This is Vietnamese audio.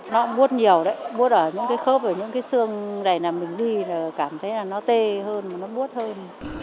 nó muốt nhiều đấy muốt ở những cái khớp ở những cái xương này là mình đi là cảm thấy là nó tê hơn nó muốt hơn